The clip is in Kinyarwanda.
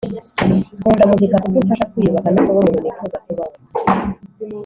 Nkunda muzika, kuko imfasha kwiyubaka no kuba umuntu nifuza kuba we.